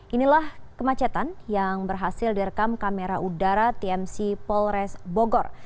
inilah kemacetan yang berhasil direkam kamera udara tmc polres bogor